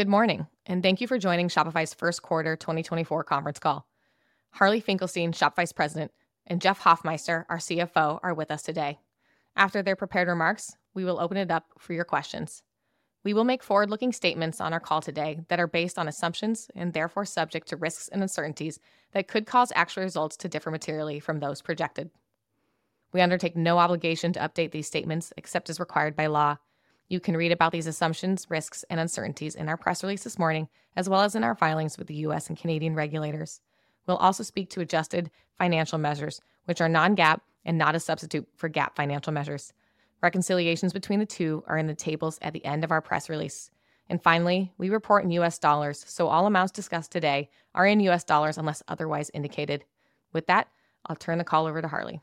Good morning, and thank you for joining Shopify's first quarter 2024 conference call. Harley Finkelstein, Shopify's President, and Jeff Hoffmeister, our CFO, are with us today. After their prepared remarks, we will open it up for your questions. We will make forward-looking statements on our call today that are based on assumptions and therefore subject to risks and uncertainties that could cause actual results to differ materially from those projected. We undertake no obligation to update these statements except as required by law. You can read about these assumptions, risks, and uncertainties in our press release this morning as well as in our filings with the U.S. and Canadian regulators. We'll also speak to adjusted financial measures, which are non-GAAP and not a substitute for GAAP financial measures. Reconciliations between the two are in the tables at the end of our press release. Finally, we report in U.S. dollars, so all amounts discussed today are in U.S. dollars unless otherwise indicated. With that, I'll turn the call over to Harley.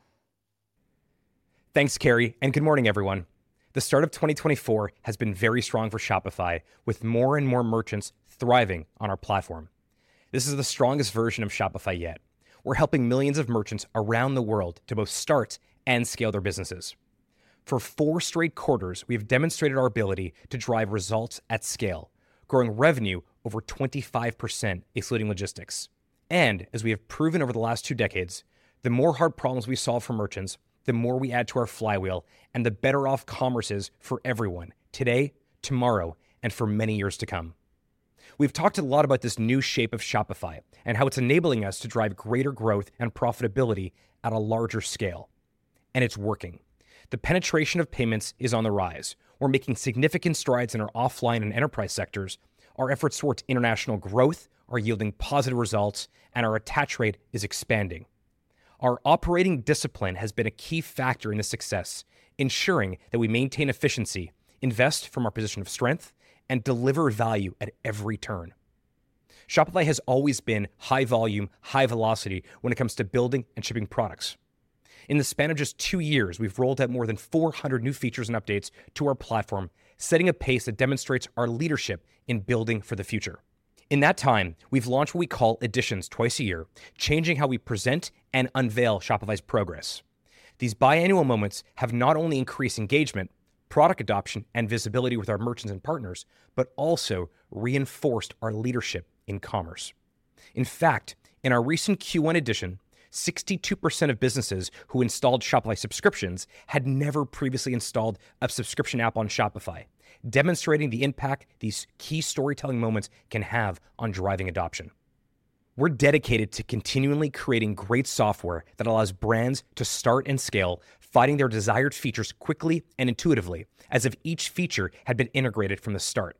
Thanks, Carrie, and good morning, everyone. The start of 2024 has been very strong for Shopify, with more and more merchants thriving on our platform. This is the strongest version of Shopify yet: we're helping millions of merchants around the world to both start and scale their businesses. For four straight quarters, we have demonstrated our ability to drive results at scale, growing revenue over 25% including logistics. And as we have proven over the last two decades, the more hard problems we solve for merchants, the more we add to our flywheel, and the better off commerce is for everyone today, tomorrow, and for many years to come. We've talked a lot about this new shape of Shopify and how it's enabling us to drive greater growth and profitability at a larger scale. It's working. The penetration of payments is on the rise. We're making significant strides in our offline and enterprise sectors. Our efforts towards international growth are yielding positive results, and our attach rate is expanding. Our operating discipline has been a key factor in the success, ensuring that we maintain efficiency, invest from our position of strength, and deliver value at every turn. Shopify has always been high volume, high velocity when it comes to building and shipping products. In the span of just two years, we've rolled out more than 400 new features and updates to our platform, setting a pace that demonstrates our leadership in building for the future. In that time, we've launched what we call "Editions" twice a year, changing how we present and unveil Shopify's progress. These biannual moments have not only increased engagement, product adoption, and visibility with our merchants and partners, but also reinforced our leadership in commerce. In fact, in our recent Q1 Edition, 62% of businesses who installed Shopify Subscriptions had never previously installed a subscription app on Shopify, demonstrating the impact these key storytelling moments can have on driving adoption. We're dedicated to continually creating great software that allows brands to start and scale, finding their desired features quickly and intuitively, as if each feature had been integrated from the start.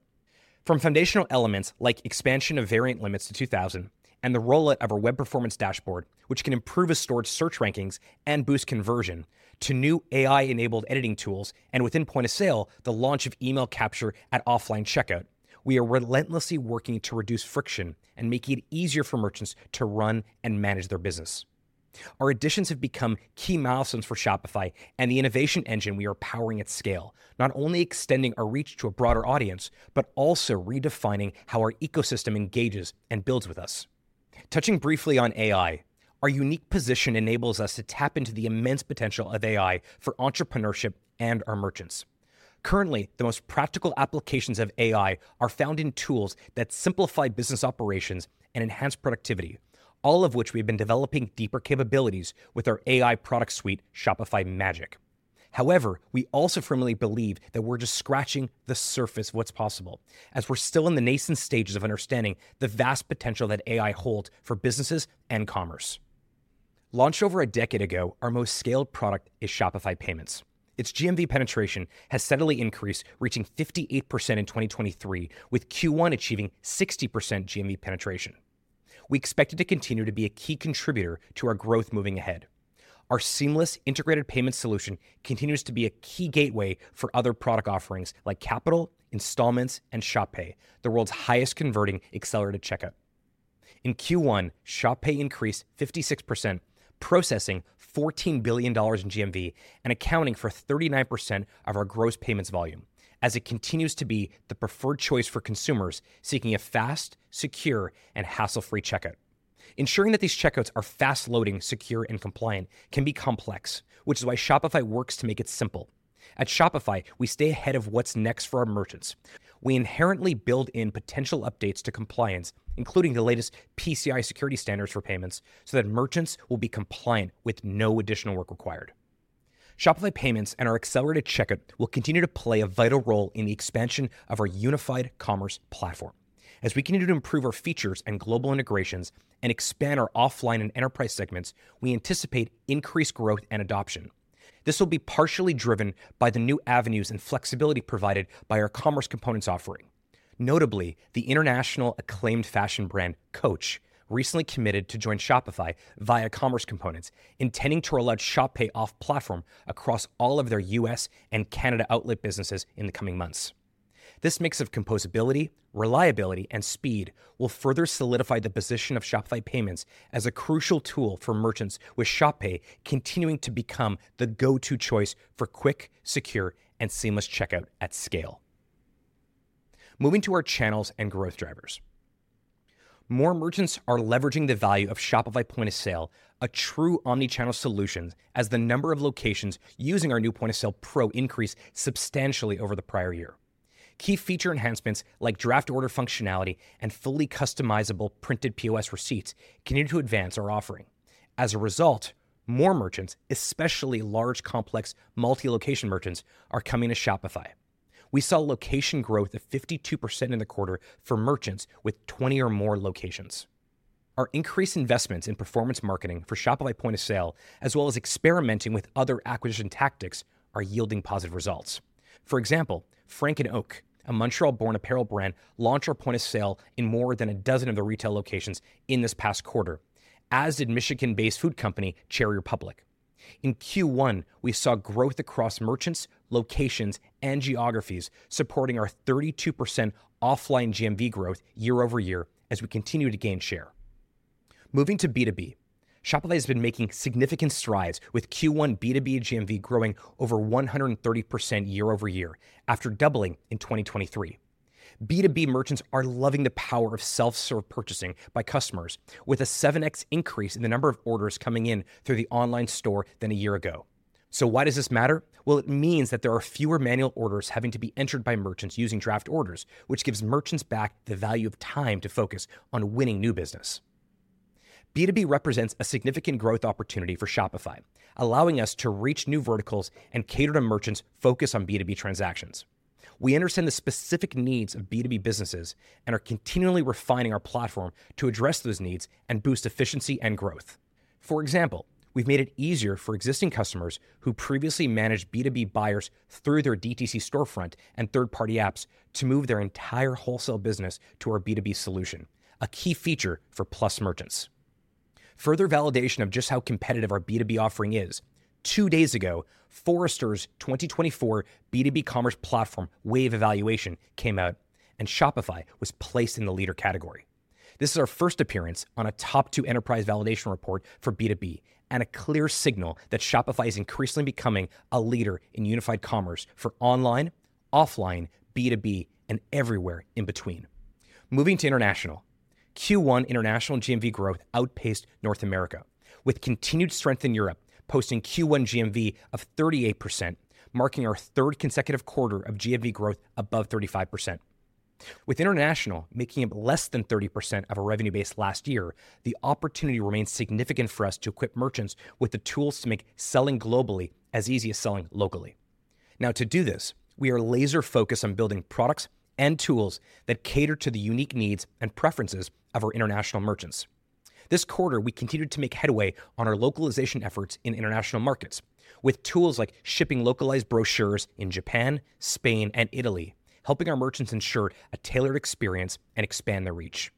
From foundational elements like expansion of variant limits to 2,000, and the rollout of a web performance dashboard which can improve a store's search rankings and boost conversion, to new AI-enabled editing tools and, within Point of Sale, the launch of email capture at offline checkout, we are relentlessly working to reduce friction and make it easier for merchants to run and manage their business. Our Editions have become key milestones for Shopify and the innovation engine we are powering at scale, not only extending our reach to a broader audience but also redefining how our ecosystem engages and builds with us. Touching briefly on AI, our unique position enables us to tap into the immense potential of AI for entrepreneurship and our merchants. Currently, the most practical applications of AI are found in tools that simplify business operations and enhance productivity, all of which we have been developing deeper capabilities with our AI product suite Shopify Magic. However, we also firmly believe that we're just scratching the surface of what's possible, as we're still in the nascent stages of understanding the vast potential that AI holds for businesses and commerce. Launched over a decade ago, our most scaled product is Shopify Payments. Its GMV penetration has steadily increased, reaching 58% in 2023, with Q1 achieving 60% GMV penetration. We expect it to continue to be a key contributor to our growth moving ahead. Our seamless, integrated payments solution continues to be a key gateway for other product offerings like Capital, Installments, and Shop Pay, the world's highest-converting accelerated checkout. In Q1, Shop Pay increased 56%, processing $14 billion in GMV and accounting for 39% of our gross payments volume, as it continues to be the preferred choice for consumers seeking a fast, secure, and hassle-free checkout. Ensuring that these checkouts are fast-loading, secure, and compliant can be complex, which is why Shopify works to make it simple. At Shopify, we stay ahead of what's next for our merchants. We inherently build in potential updates to compliance, including the latest PCI Security Standards for payments, so that merchants will be compliant with no additional work required. Shopify Payments and our accelerated checkout will continue to play a vital role in the expansion of our unified commerce platform. As we continue to improve our features and global integrations, and expand our offline and enterprise segments, we anticipate increased growth and adoption. This will be partially driven by the new avenues and flexibility provided by our Commerce Components offering. Notably, the internationally acclaimed fashion brand Coach recently committed to join Shopify via Commerce Components, intending to roll out Shop Pay off-platform across all of their U.S. and Canada outlet businesses in the coming months. This mix of composability, reliability, and speed will further solidify the position of Shopify Payments as a crucial tool for merchants, with Shop Pay continuing to become the go-to choice for quick, secure, and seamless checkout at scale. Moving to our channels and growth drivers. More merchants are leveraging the value of Shopify Point of Sale, a true omnichannel solution, as the number of locations using our new Point of Sale Pro increased substantially over the prior year. Key feature enhancements like draft order functionality and fully customizable printed POS receipts continue to advance our offering. As a result, more merchants, especially large, complex, multi-location merchants, are coming to Shopify. We saw location growth of 52% in the quarter for merchants with 20 or more locations. Our increased investments in performance marketing for Shopify Point of Sale, as well as experimenting with other acquisition tactics, are yielding positive results. For example, Frank And Oak, a Montreal-born apparel brand, launched our Point of Sale in more than a dozen of the retail locations in this past quarter, as did Michigan-based food company Cherry Republic. In Q1, we saw growth across merchants, locations, and geographies, supporting our 32% offline GMV growth year-over-year as we continue to gain share. Moving to B2B. Shopify has been making significant strides, with Q1 B2B GMV growing over 130% year-over-year after doubling in 2023. B2B merchants are loving the power of self-serve purchasing by customers, with a 7x increase in the number of orders coming in through the online store than a year ago. So why does this matter? Well, it means that there are fewer manual orders having to be entered by merchants using draft orders, which gives merchants back the value of time to focus on winning new business. B2B represents a significant growth opportunity for Shopify, allowing us to reach new verticals and cater to merchants focused on B2B transactions. We understand the specific needs of B2B businesses and are continually refining our platform to address those needs and boost efficiency and growth. For example, we've made it easier for existing customers who previously managed B2B buyers through their DTC storefront and third-party apps to move their entire wholesale business to our B2B solution, a key feature for Plus merchants. Further validation of just how competitive our B2B offering is: two days ago, Forrester's 2024 B2B Commerce Platform Wave evaluation came out, and Shopify was placed in the leader category. This is our first appearance on a top-2 enterprise validation report for B2B, and a clear signal that Shopify is increasingly becoming a leader in unified commerce for online, offline, B2B, and everywhere in between. Moving to international. Q1 international GMV growth outpaced North America, with continued strength in Europe posting Q1 GMV of 38%, marking our third consecutive quarter of GMV growth above 35%. With international making up less than 30% of our revenue base last year, the opportunity remains significant for us to equip merchants with the tools to make selling globally as easy as selling locally. Now, to do this, we are laser-focused on building products and tools that cater to the unique needs and preferences of our international merchants. This quarter, we continued to make headway on our localization efforts in international markets, with tools like shipping localized brochures in Japan, Spain, and Italy, helping our merchants ensure a tailored experience and expand their reach.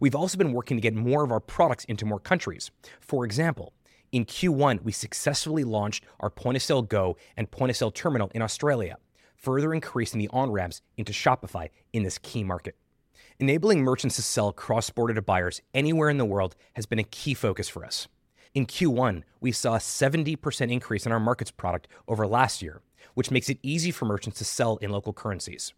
We've also been working to get more of our products into more countries. For example, in Q1, we successfully launched our Point of Sale Go and Point of Sale Terminal in Australia, further increasing the on-ramps into Shopify in this key market. Enabling merchants to sell cross-border to buyers anywhere in the world has been a key focus for us. In Q1, we saw a 70% increase in our Markets product over last year, which makes it easy for merchants to sell in local currencies.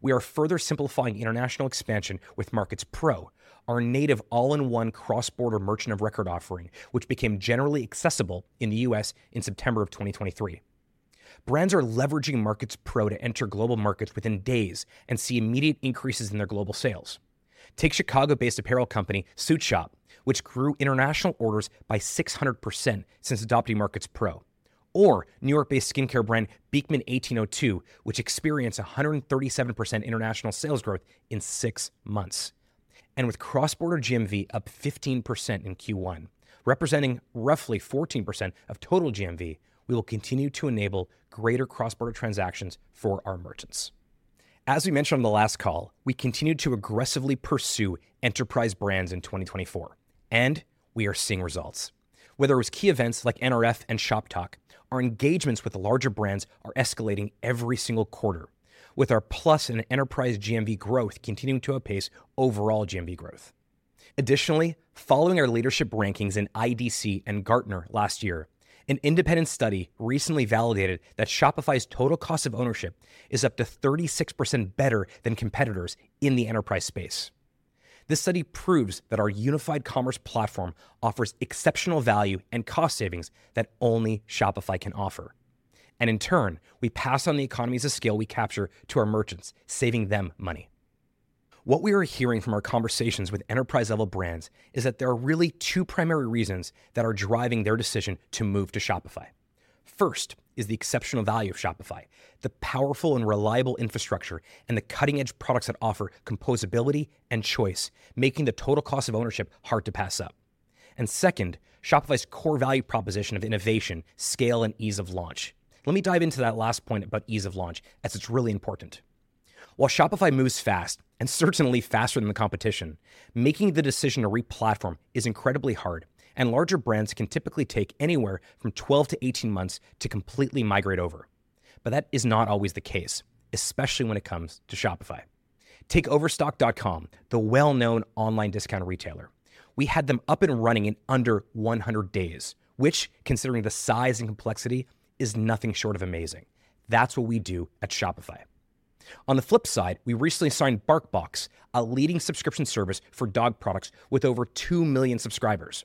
We are further simplifying international expansion with Markets Pro, our native all-in-one cross-border merchant-of-record offering, which became generally accessible in the U.S. in September of 2023. Brands are leveraging Markets Pro to enter global markets within days and see immediate increases in their global sales. Take Chicago-based apparel company SuitShop, which grew international orders by 600% since adopting Markets Pro. Or New York-based skincare brand Beekman 1802, which experienced 137% international sales growth in six months. With cross-border GMV up 15% in Q1, representing roughly 14% of total GMV, we will continue to enable greater cross-border transactions for our merchants. As we mentioned on the last call, we continue to aggressively pursue enterprise brands in 2024, and we are seeing results. Whether it was key events like NRF and ShopTalk, our engagements with larger brands are escalating every single quarter, with our Plus and enterprise GMV growth continuing to outpace overall GMV growth. Additionally, following our leadership rankings in IDC and Gartner last year, an independent study recently validated that Shopify's total cost of ownership is up to 36% better than competitors in the enterprise space. This study proves that our unified commerce platform offers exceptional value and cost savings that only Shopify can offer. In turn, we pass on the economies of scale we capture to our merchants, saving them money. What we are hearing from our conversations with enterprise-level brands is that there are really two primary reasons that are driving their decision to move to Shopify. First is the exceptional value of Shopify, the powerful and reliable infrastructure, and the cutting-edge products that offer composability and choice, making the total cost of ownership hard to pass up. And second, Shopify's core value proposition of innovation, scale, and ease of launch. Let me dive into that last point about ease of launch, as it's really important. While Shopify moves fast, and certainly faster than the competition, making the decision to replatform is incredibly hard, and larger brands can typically take anywhere from 12-18 months to completely migrate over. That is not always the case, especially when it comes to Shopify. Take Overstock.com, the well-known online discount retailer. We had them up and running in under 100 days, which, considering the size and complexity, is nothing short of amazing. That's what we do at Shopify. On the flip side, we recently signed BarkBox, a leading subscription service for dog products with over 2 million subscribers.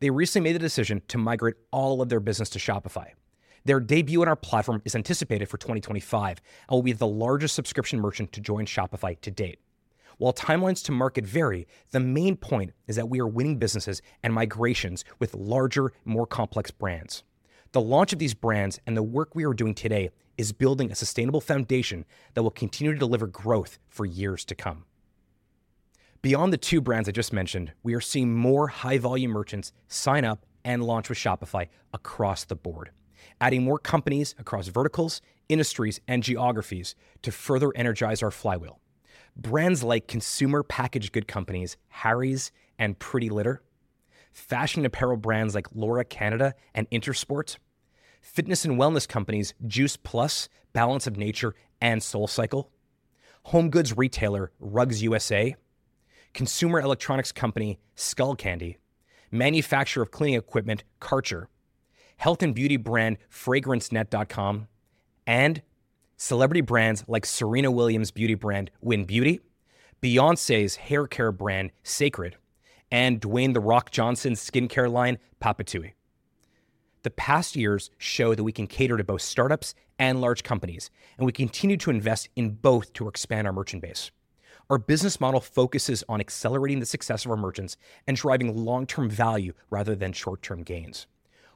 They recently made the decision to migrate all of their business to Shopify. Their debut on our platform is anticipated for 2025 and will be the largest subscription merchant to join Shopify to date. While timelines to market vary, the main point is that we are winning businesses and migrations with larger, more complex brands. The launch of these brands and the work we are doing today is building a sustainable foundation that will continue to deliver growth for years to come. Beyond the two brands I just mentioned, we are seeing more high-volume merchants sign up and launch with Shopify across the board, adding more companies across verticals, industries, and geographies to further energize our flywheel. Brands like consumer packaged goods companies Harry's and PrettyLitter. Fashion apparel brands like Laura Canada and Intersport. Fitness and wellness companies Juice Plus+, Balance of Nature, and SoulCycle. Home goods retailer Rugs USA. Consumer electronics company Skullcandy. Manufacturer of cleaning equipment Kärcher. Health and beauty brand FragranceNet.com. And celebrity brands like Serena Williams' beauty brand WYN BEAUTY. Beyoncé's hair care brand Cécred. And Dwayne "The Rock" Johnson's skincare line Papatui. The past years show that we can cater to both startups and large companies, and we continue to invest in both to expand our merchant base. Our business model focuses on accelerating the success of our merchants and driving long-term value rather than short-term gains.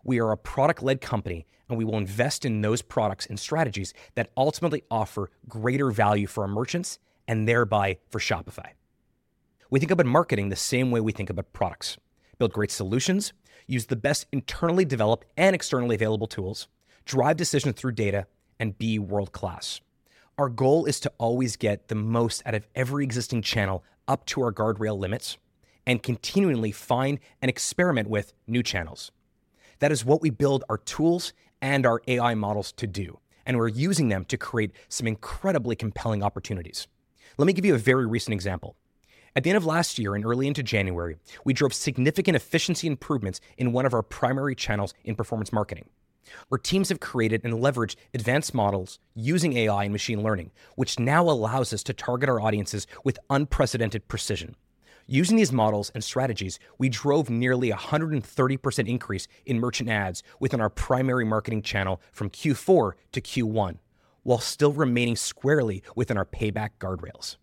We are a product-led company, and we will invest in those products and strategies that ultimately offer greater value for our merchants and thereby for Shopify. We think about marketing the same way we think about products: build great solutions, use the best internally developed and externally available tools, drive decisions through data, and be world-class. Our goal is to always get the most out of every existing channel up to our guardrail limits, and continually find and experiment with new channels. That is what we build our tools and our AI models to do, and we're using them to create some incredibly compelling opportunities. Let me give you a very recent example. At the end of last year, in early into January, we drove significant efficiency improvements in one of our primary channels in performance marketing. Our teams have created and leveraged advanced models using AI and machine learning, which now allows us to target our Audiences with unprecedented precision. Using these models and strategies, we drove nearly a 130% increase in merchant ads within our primary marketing channel from Q4 to Q1, while still remaining squarely within our payback guardrails.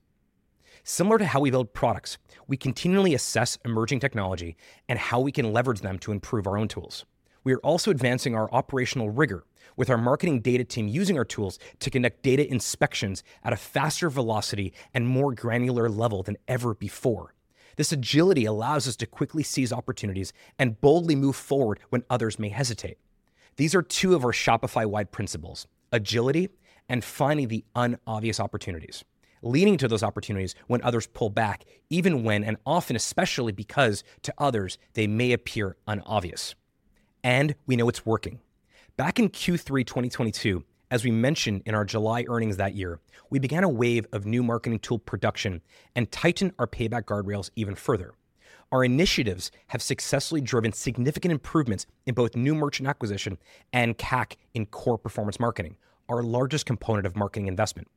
Similar to how we build products, we continually assess emerging technology and how we can leverage them to improve our own tools. We are also advancing our operational rigor, with our marketing data team using our tools to conduct data inspections at a faster velocity and more granular level than ever before. This agility allows us to quickly seize opportunities and boldly move forward when others may hesitate. These are two of our Shopify-wide principles: agility and finding the unobvious opportunities, leading to those opportunities when others pull back, even when and often especially because, to others, they may appear unobvious. We know it's working. Back in Q3 2022, as we mentioned in our July earnings that year, we began a wave of new marketing tool production and tightened our payback guardrails even further. Our initiatives have successfully driven significant improvements in both new merchant acquisition and CAC in core performance marketing, our largest component of marketing investment.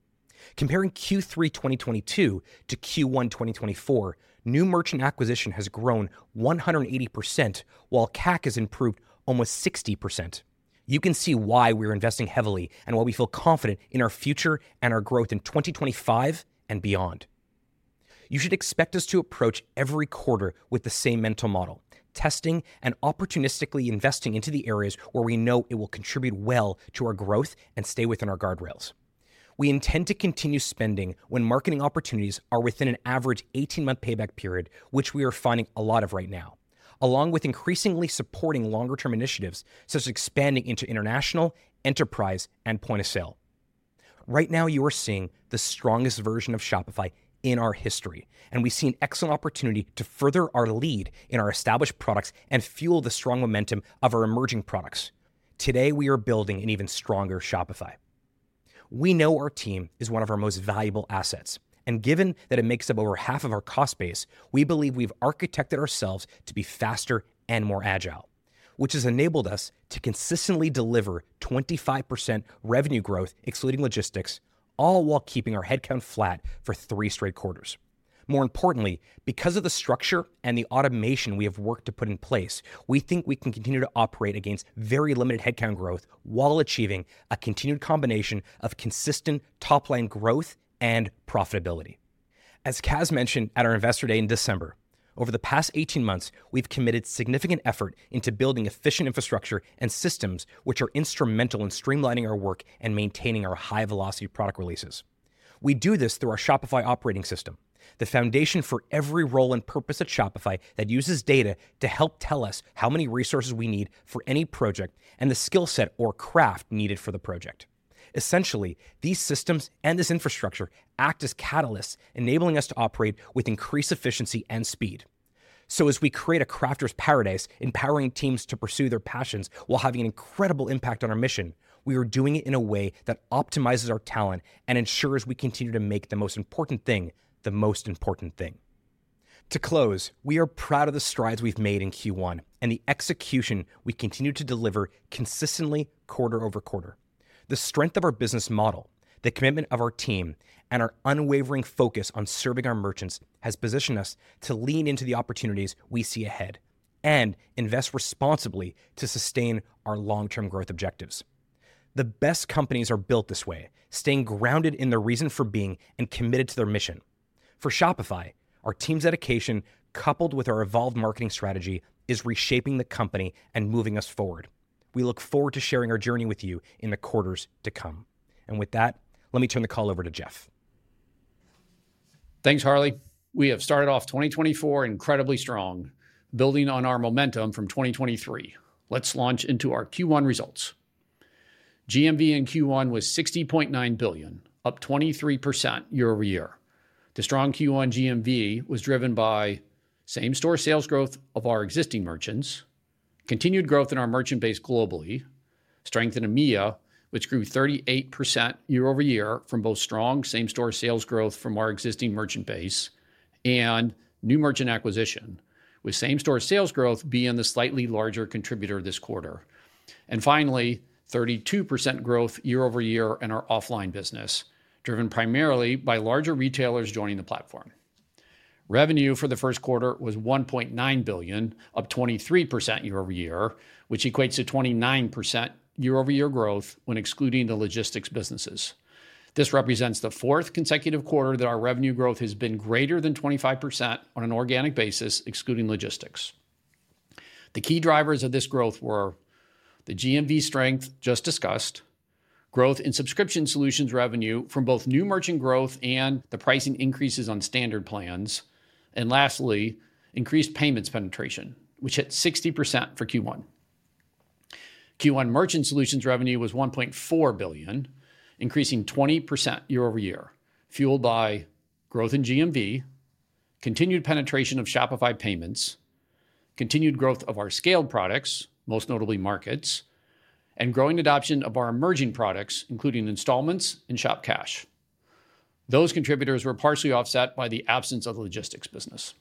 Comparing Q3 2022 to Q1 2024, new merchant acquisition has grown 180% while CAC has improved almost 60%. You can see why we are investing heavily and why we feel confident in our future and our growth in 2025 and beyond. You should expect us to approach every quarter with the same mental model: testing and opportunistically investing into the areas where we know it will contribute well to our growth and stay within our guardrails. We intend to continue spending when marketing opportunities are within an average 18-month payback period, which we are finding a lot of right now, along with increasingly supporting longer-term initiatives such as expanding into international, enterprise, and Point of Sale. Right now, you are seeing the strongest version of Shopify in our history, and we see an excellent opportunity to further our lead in our established products and fuel the strong momentum of our emerging products. Today, we are building an even stronger Shopify. We know our team is one of our most valuable assets, and given that it makes up over half of our cost base, we believe we've architected ourselves to be faster and more agile, which has enabled us to consistently deliver 25% revenue growth excluding logistics, all while keeping our headcount flat for three straight quarters. More importantly, because of the structure and the automation we have worked to put in place, we think we can continue to operate against very limited headcount growth while achieving a continued combination of consistent top-line growth and profitability. As Kaz mentioned at our Investor Day in December, over the past 18 months, we've committed significant effort into building efficient infrastructure and systems which are instrumental in streamlining our work and maintaining our high-velocity product releases. We do this through our Shopify Operating System, the foundation for every role and purpose at Shopify that uses data to help tell us how many resources we need for any project and the skillset or craft needed for the project. Essentially, these systems and this infrastructure act as catalysts, enabling us to operate with increased efficiency and speed. So, as we create a crafter's paradise, empowering teams to pursue their passions while having an incredible impact on our mission, we are doing it in a way that optimizes our talent and ensures we continue to make the most important thing the most important thing. To close, we are proud of the strides we've made in Q1 and the execution we continue to deliver consistently quarter-over-quarter. The strength of our business model, the commitment of our team, and our unwavering focus on serving our merchants has positioned us to lean into the opportunities we see ahead and invest responsibly to sustain our long-term growth objectives. The best companies are built this way, staying grounded in their reason for being and committed to their mission. For Shopify, our team's dedication, coupled with our evolved marketing strategy, is reshaping the company and moving us forward. We look forward to sharing our journey with you in the quarters to come. With that, let me turn the call over to Jeff. Thanks, Harley. We have started off 2024 incredibly strong, building on our momentum from 2023. Let's launch into our Q1 results. GMV in Q1 was $60.9 billion, up 23% year-over-year. The strong Q1 GMV was driven by: same-store sales growth of our existing merchants, continued growth in our merchant base globally, strength in EMEA, which grew 38% year-over-year from both strong same-store sales growth from our existing merchant base, and new merchant acquisition, with same-store sales growth being the slightly larger contributor this quarter. Finally, 32% growth year-over-year in our offline business, driven primarily by larger retailers joining the platform. Revenue for the first quarter was $1.9 billion, up 23% year-over-year, which equates to 29% year-over-year growth when excluding the logistics businesses. This represents the fourth consecutive quarter that our revenue growth has been greater than 25% on an organic basis, excluding logistics. The key drivers of this growth were: the GMV strength just discussed, growth in subscription solutions revenue from both new merchant growth and the pricing increases on standard plans, and lastly, increased payments penetration, which hit 60% for Q1. Q1 merchant solutions revenue was $1.4 billion, increasing 20% year-over-year, fueled by: growth in GMV, continued penetration of Shopify Payments, continued growth of our scaled products, most notably Markets, and growing adoption of our emerging products, including Installments and Shop Cash. Those contributors were partially offset by the absence of the logistics business.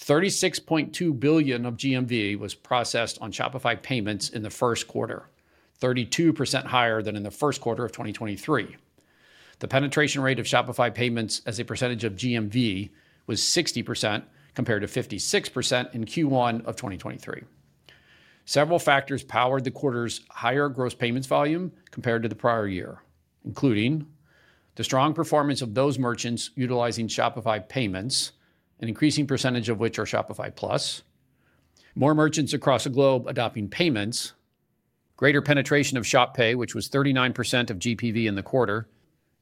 $36.2 billion of GMV was processed on Shopify Payments in the first quarter, 32% higher than in the first quarter of 2023. The penetration rate of Shopify Payments as a percentage of GMV was 60% compared to 56% in Q1 of 2023. Several factors powered the quarter's higher gross payments volume compared to the prior year, including: the strong performance of those merchants utilizing Shopify Payments, an increasing percentage of which are Shopify Plus, more merchants across the globe adopting payments, greater penetration of Shop Pay, which was 39% of GPV in the quarter,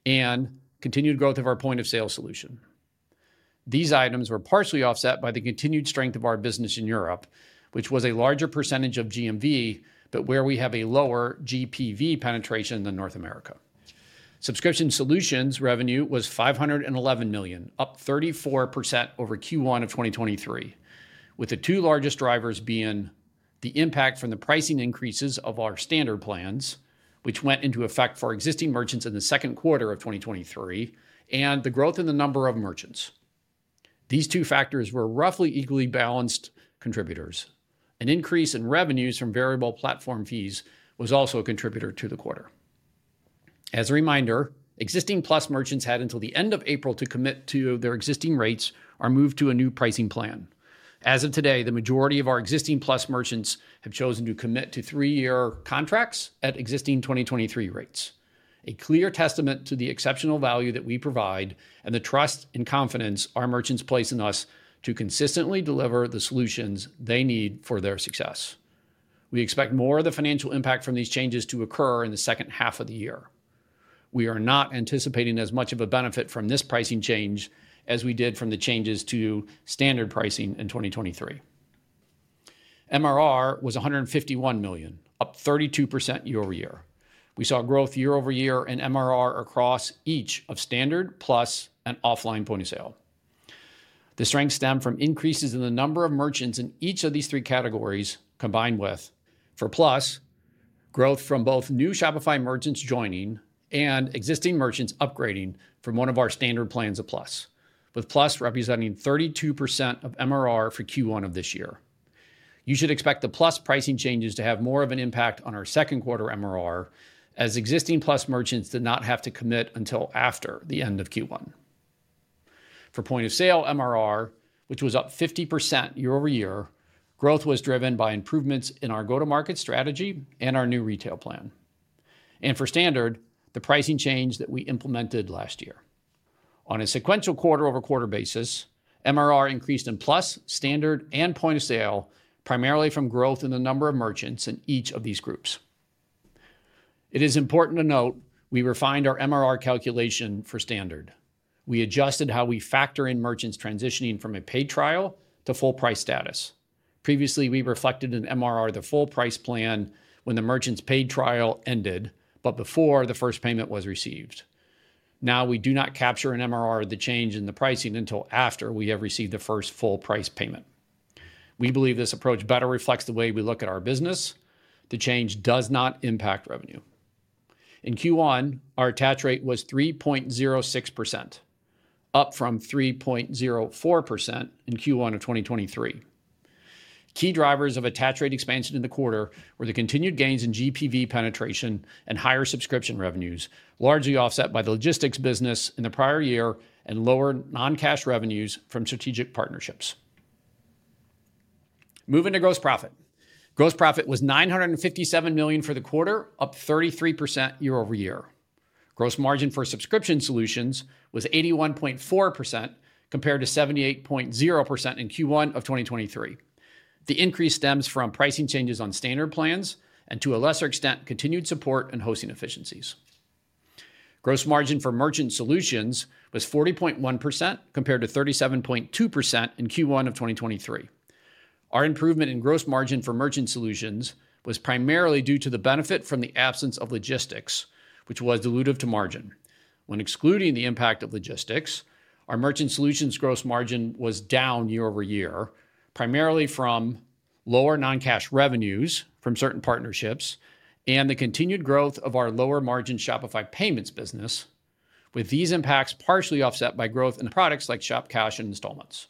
and continued growth of our Point of Sale solution. These items were partially offset by the continued strength of our business in Europe, which was a larger percentage of GMV but where we have a lower GPV penetration than North America. Subscription solutions revenue was $511 million, up 34% over Q1 of 2023, with the two largest drivers being: the impact from the pricing increases of our standard plans, which went into effect for existing merchants in the second quarter of 2023, and the growth in the number of merchants. These two factors were roughly equally balanced contributors. An increase in revenues from variable platform fees was also a contributor to the quarter. As a reminder, existing Plus merchants had until the end of April to commit to their existing rates or move to a new pricing plan. As of today, the majority of our existing Plus merchants have chosen to commit to three-year contracts at existing 2023 rates, a clear testament to the exceptional value that we provide and the trust and confidence our merchants place in us to consistently deliver the solutions they need for their success. We expect more of the financial impact from these changes to occur in the second half of the year. We are not anticipating as much of a benefit from this pricing change as we did from the changes to standard pricing in 2023. MRR was $151 million, up 32% year-over-year. We saw growth year-over-year in MRR across each of standard, Plus, and offline Point of Sale. The strength stemmed from increases in the number of merchants in each of these three categories, combined with: for Plus, growth from both new Shopify merchants joining and existing merchants upgrading from one of our standard plans of Plus, with Plus representing 32% of MRR for Q1 of this year. You should expect the Plus pricing changes to have more of an impact on our second quarter MRR, as existing Plus merchants did not have to commit until after the end of Q1. For Point of Sale MRR, which was up 50% year-over-year, growth was driven by improvements in our go-to-market strategy and our new retail plan, and for standard, the pricing change that we implemented last year. On a sequential quarter-over-quarter basis, MRR increased in Plus, standard, and Point of Sale primarily from growth in the number of merchants in each of these groups. It is important to note we refined our MRR calculation for standard. We adjusted how we factor in merchants transitioning from a paid trial to full-price status. Previously, we reflected in MRR the full-price plan when the merchants' paid trial ended, but before the first payment was received. Now, we do not capture in MRR the change in the pricing until after we have received the first full-price payment. We believe this approach better reflects the way we look at our business. The change does not impact revenue. In Q1, our attach rate was 3.06%, up from 3.04% in Q1 of 2023. Key drivers of attach rate expansion in the quarter were the continued gains in GPV penetration and higher subscription revenues, largely offset by the logistics business in the prior year and lower non-cash revenues from strategic partnerships. Moving to gross profit. Gross profit was $957 million for the quarter, up 33% year-over-year. Gross margin for subscription solutions was 81.4% compared to 78.0% in Q1 of 2023. The increase stems from pricing changes on standard plans and, to a lesser extent, continued support and hosting efficiencies. Gross margin for merchant solutions was 40.1% compared to 37.2% in Q1 of 2023. Our improvement in gross margin for merchant solutions was primarily due to the benefit from the absence of logistics, which was dilutive to margin. When excluding the impact of logistics, our merchant solutions gross margin was down year-over-year, primarily from: lower non-cash revenues from certain partnerships, and the continued growth of our lower-margin Shopify Payments business, with these impacts partially offset by growth in products like Shop Cash and installments.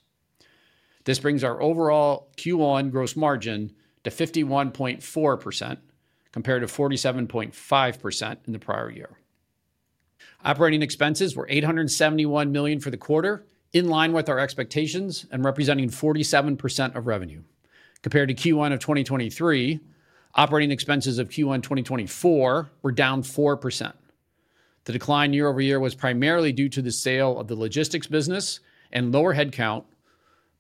This brings our overall Q1 gross margin to 51.4% compared to 47.5% in the prior year. Operating expenses were $871 million for the quarter, in line with our expectations and representing 47% of revenue. Compared to Q1 of 2023, operating expenses of Q1 2024 were down 4%. The decline year-over-year was primarily due to the sale of the logistics business and lower headcount,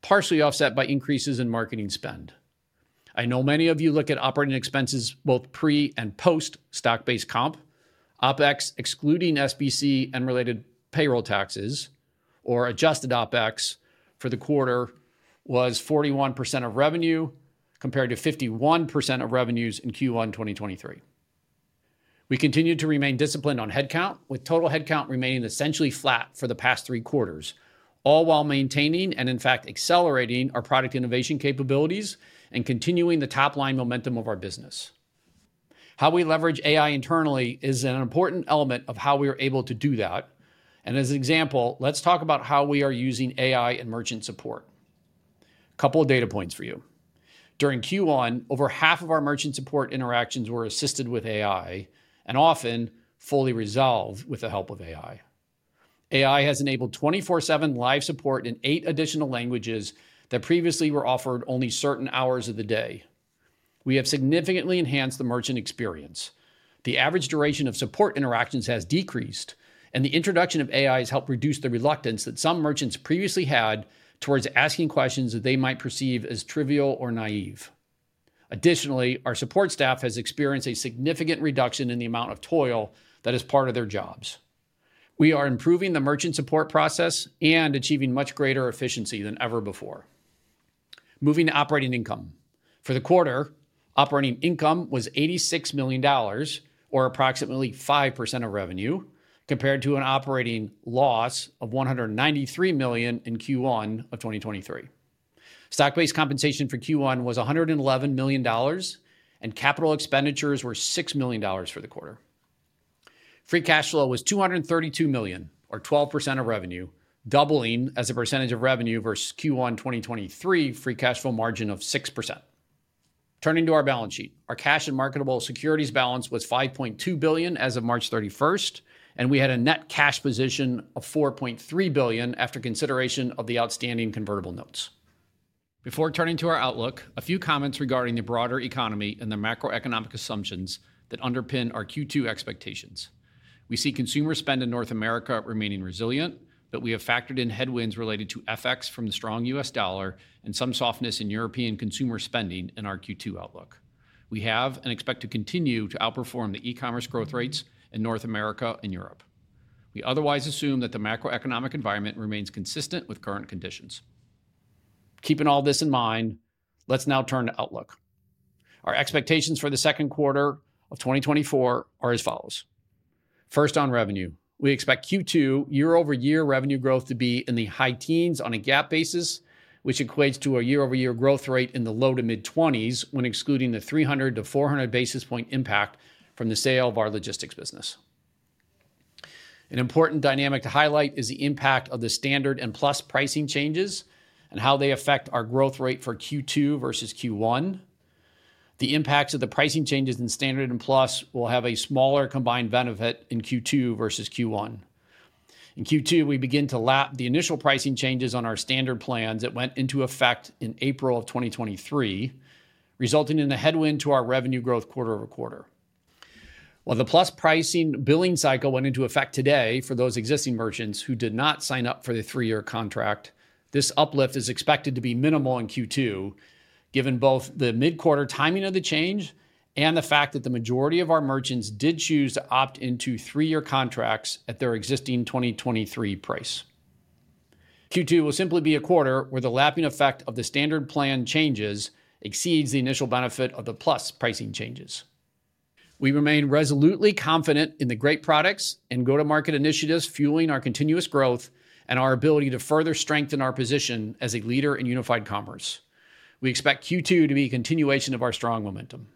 partially offset by increases in marketing spend. I know many of you look at operating expenses both pre and post-stock-based comp. OpEx, excluding SBC and related payroll taxes, or adjusted OpEx for the quarter, was 41% of revenue compared to 51% of revenues in Q1 2023. We continue to remain disciplined on headcount, with total headcount remaining essentially flat for the past three quarters, all while maintaining and, in fact, accelerating our product innovation capabilities and continuing the top-line momentum of our business. How we leverage AI internally is an important element of how we are able to do that. And as an example, let's talk about how we are using AI in merchant support. A couple of data points for you. During Q1, over half of our merchant support interactions were assisted with AI and often fully resolved with the help of AI. AI has enabled 24/7 live support in eight additional languages that previously were offered only certain hours of the day. We have significantly enhanced the merchant experience. The average duration of support interactions has decreased, and the introduction of AI has helped reduce the reluctance that some merchants previously had towards asking questions that they might perceive as trivial or naive. Additionally, our support staff has experienced a significant reduction in the amount of toil that is part of their jobs. We are improving the merchant support process and achieving much greater efficiency than ever before. Moving to operating income. For the quarter, operating income was $86 million or approximately 5% of revenue compared to an operating loss of $193 million in Q1 of 2023. Stock-based compensation for Q1 was $111 million, and capital expenditures were $6 million for the quarter. Free cash flow was $232 million or 12% of revenue, doubling as a percentage of revenue versus Q1 2023 free cash flow margin of 6%. Turning to our balance sheet, our cash and marketable securities balance was $5.2 billion as of March 31st, and we had a net cash position of $4.3 billion after consideration of the outstanding convertible notes. Before turning to our outlook, a few comments regarding the broader economy and the macroeconomic assumptions that underpin our Q2 expectations. We see consumer spend in North America remaining resilient, but we have factored in headwinds related to FX from the strong US dollar and some softness in European consumer spending in our Q2 outlook. We have and expect to continue to outperform the e-commerce growth rates in North America and Europe. We otherwise assume that the macroeconomic environment remains consistent with current conditions. Keeping all this in mind, let's now turn to outlook. Our expectations for the second quarter of 2024 are as follows. First, on revenue, we expect Q2 year-over-year revenue growth to be in the high teens on a GAAP basis, which equates to a year-over-year growth rate in the low to mid-20s when excluding the 300-400 basis points impact from the sale of our logistics business. An important dynamic to highlight is the impact of the standard and Plus pricing changes and how they affect our growth rate for Q2 versus Q1. The impacts of the pricing changes in standard and Plus will have a smaller combined benefit in Q2 versus Q1. In Q2, we begin to lap the initial pricing changes on our standard plans that went into effect in April of 2023, resulting in the headwind to our revenue growth quarter-over-quarter. While the Plus pricing billing cycle went into effect today for those existing merchants who did not sign up for the three-year contract, this uplift is expected to be minimal in Q2, given both the mid-quarter timing of the change and the fact that the majority of our merchants did choose to opt into three-year contracts at their existing 2023 price. Q2 will simply be a quarter where the lapping effect of the standard plan changes exceeds the initial benefit of the Plus pricing changes. We remain resolutely confident in the great products and go-to-market initiatives fueling our continuous growth and our ability to further strengthen our position as a leader in unified commerce. We expect Q2 to be a continuation of our strong momentum.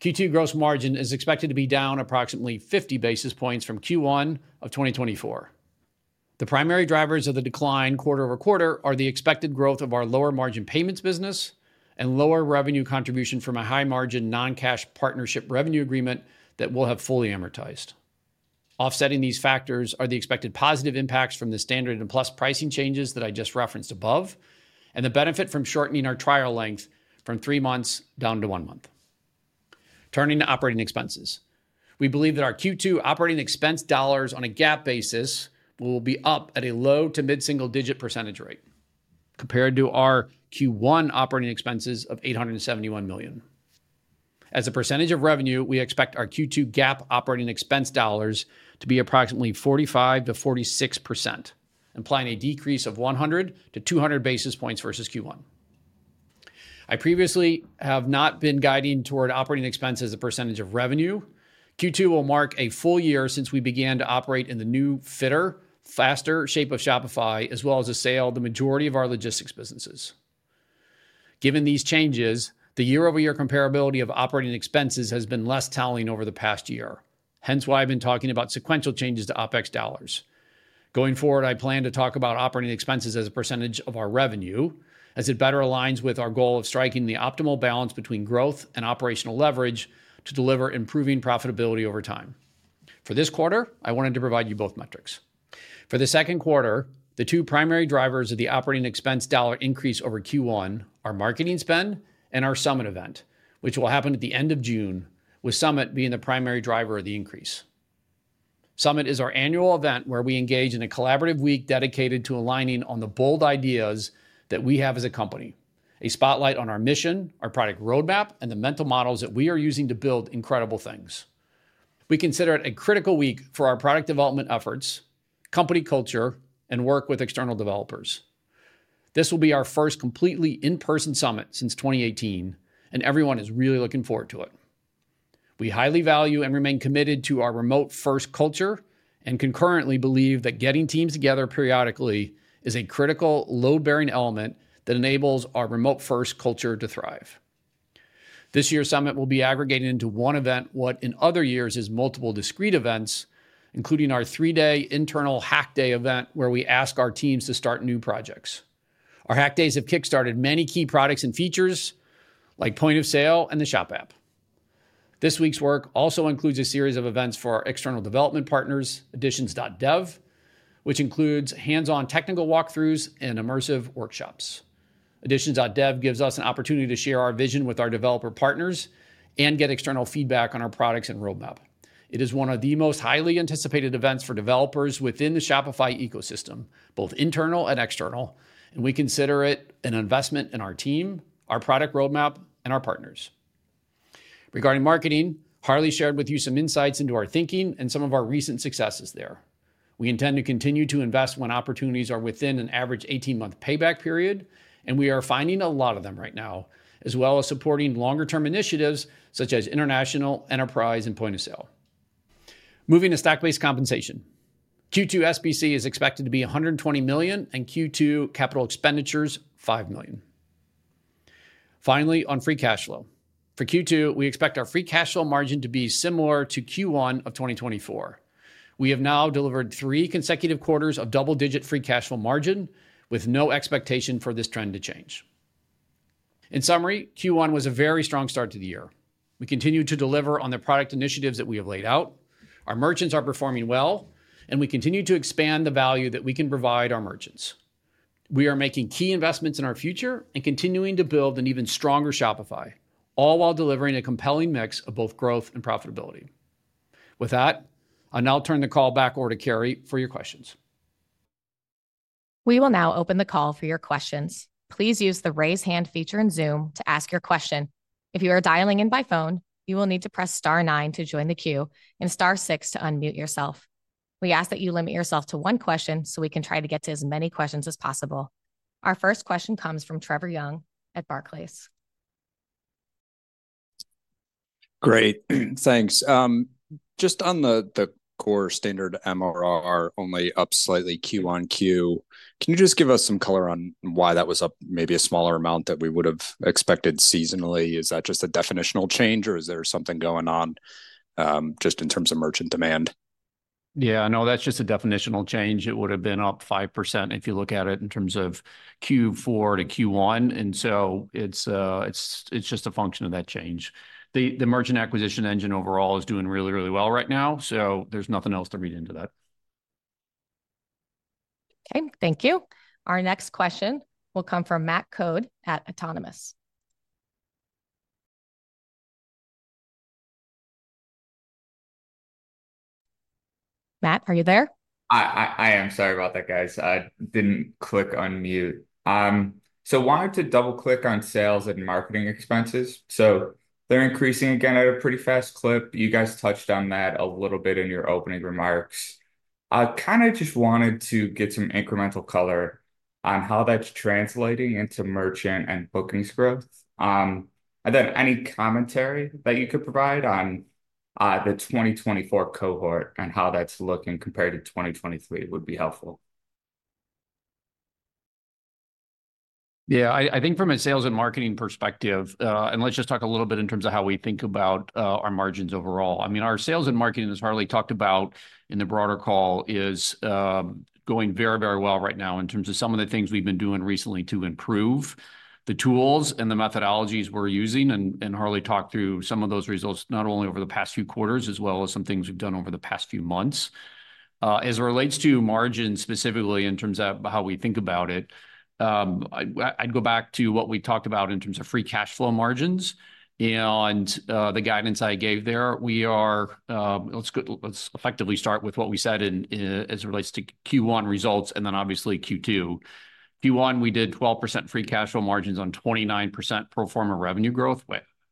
Q2 gross margin is expected to be down approximately 50 basis points from Q1 of 2024. The primary drivers of the decline quarter over quarter are the expected growth of our lower-margin payments business and lower revenue contribution from a high-margin non-cash partnership revenue agreement that we'll have fully amortized. Offsetting these factors are the expected positive impacts from the standard and Plus pricing changes that I just referenced above and the benefit from shortening our trial length from three months down to one month. Turning to operating expenses. We believe that our Q2 operating expense dollars on a GAAP basis will be up at a low to mid-single-digit percentage rate compared to our Q1 operating expenses of $871 million. As a percentage of revenue, we expect our Q2 GAAP operating expense dollars to be approximately 45%-46%, implying a decrease of 100-200 basis points versus Q1. I previously have not been guiding toward operating expense as a percentage of revenue. Q2 will mark a full year since we began to operate in the new fitter, faster shape of Shopify, as well as to sell the majority of our logistics businesses. Given these changes, the year-over-year comparability of operating expenses has been less telling over the past year, hence why I've been talking about sequential changes to OpEx dollars. Going forward, I plan to talk about operating expenses as a percentage of our revenue, as it better aligns with our goal of striking the optimal balance between growth and operational leverage to deliver improving profitability over time. For this quarter, I wanted to provide you both metrics. For the second quarter, the two primary drivers of the operating expense dollar increase over Q1 are marketing spend and our Summit event, which will happen at the end of June, with Summit being the primary driver of the increase. Summit is our annual event where we engage in a collaborative week dedicated to aligning on the bold ideas that we have as a company, a spotlight on our mission, our product roadmap, and the mental models that we are using to build incredible things. We consider it a critical week for our product development efforts, company culture, and work with external developers. This will be our first completely in-person Summit since 2018, and everyone is really looking forward to it. We highly value and remain committed to our remote-first culture and concurrently believe that getting teams together periodically is a critical, load-bearing element that enables our remote-first culture to thrive. This year's summit will be aggregated into one event what in other years is multiple discrete events, including our three-day internal Hack Day event where we ask our teams to start new projects. Our Hack Days have kickstarted many key products and features like Point of Sale and the Shop app. This week's work also includes a series of events for our external development partners, Editions.dev, which includes hands-on technical walkthroughs and immersive workshops. Editions.dev gives us an opportunity to share our vision with our developer partners and get external feedback on our products and roadmap. It is one of the most highly anticipated events for developers within the Shopify ecosystem, both internal and external, and we consider it an investment in our team, our product roadmap, and our partners. Regarding marketing, Harley shared with you some insights into our thinking and some of our recent successes there. We intend to continue to invest when opportunities are within an average 18-month payback period, and we are finding a lot of them right now, as well as supporting longer-term initiatives such as international, enterprise, and Point of Sale. Moving to stock-based compensation. Q2 SBC is expected to be $120 million and Q2 capital expenditures $5 million. Finally, on free cash flow. For Q2, we expect our free cash flow margin to be similar to Q1 of 2024. We have now delivered three consecutive quarters of double-digit free cash flow margin, with no expectation for this trend to change. In summary, Q1 was a very strong start to the year. We continue to deliver on the product initiatives that we have laid out, our merchants are performing well, and we continue to expand the value that we can provide our merchants. We are making key investments in our future and continuing to build an even stronger Shopify, all while delivering a compelling mix of both growth and profitability. With that, I'll now turn the call back over to Carrie for your questions. We will now open the call for your questions. Please use the raise hand feature in Zoom to ask your question. If you are dialing in by phone, you will need to press star nine to join the queue and star six to unmute yourself. We ask that you limit yourself to one question so we can try to get to as many questions as possible. Our first question comes from Trevor Young at Barclays. Great. Thanks. Just on the core standard MRR, only up slightly Q on Q, can you just give us some color on why that was up maybe a smaller amount than we would have expected seasonally? Is that just a definitional change, or is there something going on just in terms of merchant demand? Yeah, no, that's just a definitional change. It would have been up 5% if you look at it in terms of Q4 to Q1. And so it's just a function of that change. The merchant acquisition engine overall is doing really, really well right now, so there's nothing else to read into that. Okay, thank you. Our next question will come from Matthew Coad at Autonomous Research. Matt, are you there? I am. Sorry about that, guys. I didn't click unmute. So I wanted to double-click on sales and marketing expenses. So they're increasing again at a pretty fast clip. You guys touched on that a little bit in your opening remarks. I kind of just wanted to get some incremental color on how that's translating into merchant and bookings growth. And then any commentary that you could provide on the 2024 cohort and how that's looking compared to 2023 would be helpful. Yeah, I think from a sales and marketing perspective, and let's just talk a little bit in terms of how we think about our margins overall. I mean, our sales and marketing, as Harley talked about in the broader call, is going very, very well right now in terms of some of the things we've been doing recently to improve the tools and the methodologies we're using. Harley talked through some of those results not only over the past few quarters as well as some things we've done over the past few months. As it relates to margins, specifically in terms of how we think about it, I'd go back to what we talked about in terms of free cash flow margins and the guidance I gave there. Let's effectively start with what we said as it relates to Q1 results and then obviously Q2. Q1, we did 12% free cash flow margins on 29% pro forma revenue growth.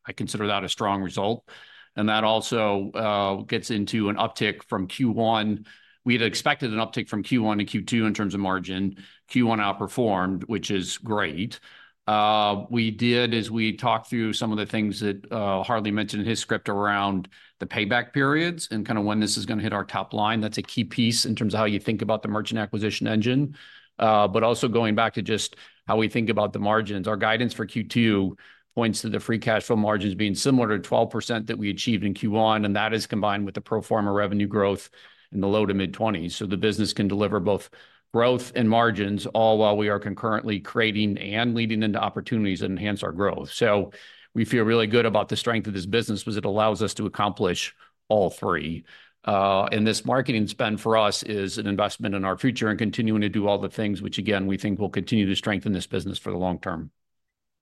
I consider that a strong result. And that also gets into an uptick from Q1. We had expected an uptick from Q1 to Q2 in terms of margin. Q1 outperformed, which is great. What we did is we talked through some of the things that Harley mentioned in his script around the payback periods and kind of when this is going to hit our top line. That's a key piece in terms of how you think about the merchant acquisition engine. But also going back to just how we think about the margins, our guidance for Q2 points to the free cash flow margins being similar to 12% that we achieved in Q1, and that is combined with the pro forma revenue growth in the low to mid-20s. So the business can deliver both growth and margins all while we are concurrently creating and leading into opportunities that enhance our growth. So we feel really good about the strength of this business because it allows us to accomplish all three. And this marketing spend for us is an investment in our future and continuing to do all the things which, again, we think will continue to strengthen this business for the long term.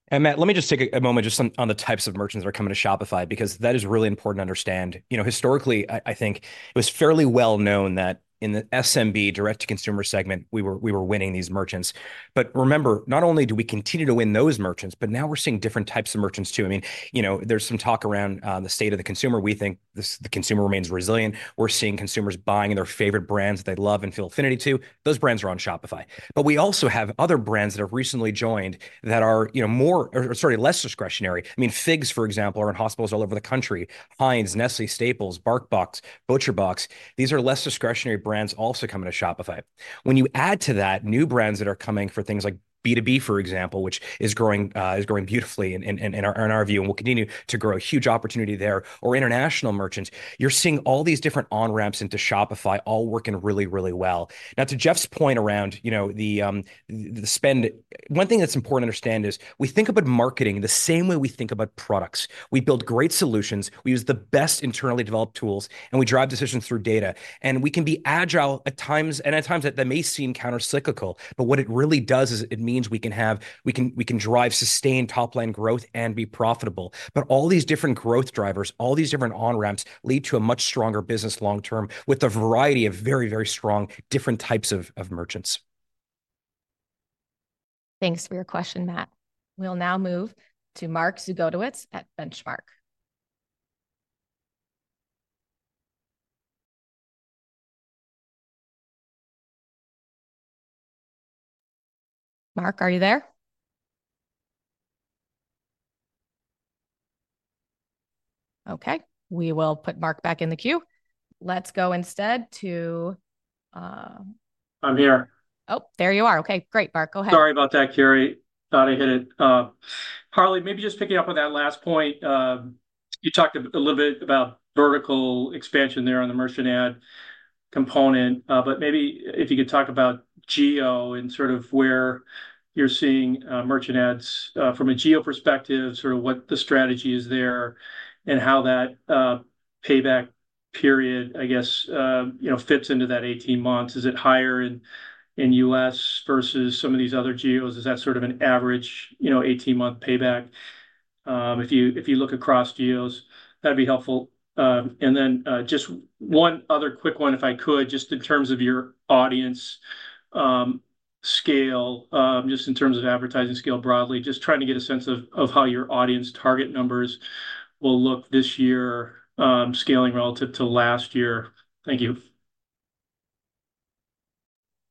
And Matt, let me just take a moment just on the types of merchants that are coming to Shopify because that is really important to understand. Historically, I think it was fairly well known that in the SMB, direct-to-consumer segment, we were winning these merchants. But remember, not only do we continue to win those merchants, but now we're seeing different types of merchants too. I mean, there's some talk around the state of the consumer. We think the consumer remains resilient. We're seeing consumers buying their favorite brands that they love and feel affinity to. Those brands are on Shopify. But we also have other brands that have recently joined that are more or, sorry, less discretionary. I mean, FIGS, for example, are in hospitals all over the country. Heinz, Nestlé, Staples, BarkBox, ButcherBox, these are less discretionary brands also coming to Shopify. When you add to that new brands that are coming for things like B2B, for example, which is growing beautifully in our view and will continue to grow, huge opportunity there, or international merchants, you're seeing all these different on-ramps into Shopify all working really, really well. Now, to Jeff's point around the spend, one thing that's important to understand is we think about marketing the same way we think about products. We build great solutions. We use the best internally developed tools, and we drive decisions through data. And we can be agile at times and at times that may seem countercyclical. But what it really does is it means we can have we can drive sustained top-line growth and be profitable. All these different growth drivers, all these different on-ramps lead to a much stronger business long term with a variety of very, very strong different types of merchants. Thanks for your question, Matt. We'll now move to Mark Zgutowicz at Benchmark. Mark, are you there? Okay, we will put Mark back in the queue. Let's go instead to. I'm here. Oh, there you are. Okay, great, Mark. Go ahead. Sorry about that, Carrie. Thought I hit it. Harley, maybe just picking up on that last point, you talked a little bit about vertical expansion there on the merchant ad component. But maybe if you could talk about geo and sort of where you're seeing merchant ads from a geo perspective, sort of what the strategy is there and how that payback period, I guess, fits into that 18 months. Is it higher in U.S. versus some of these other geos? Is that sort of an average 18-month payback if you look across geos? That'd be helpful. And then just one other quick one, if I could, just in terms of your audience scale, just in terms of advertising scale broadly, just trying to get a sense of how your audience target numbers will look this year scaling relative to last year. Thank you.